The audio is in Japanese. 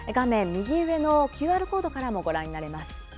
右上のＱＲコードからもご覧になれます。